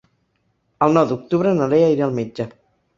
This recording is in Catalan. El nou d'octubre na Lea irà al metge.